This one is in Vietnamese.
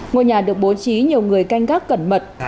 ngôi nhà được bố trí nhiều người canh gác cẩn mật